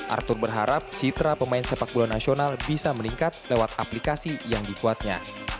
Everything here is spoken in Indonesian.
arthur berharap citra pemain sepak bola nasional bisa meningkat lewat aplikasi yang dikuatnya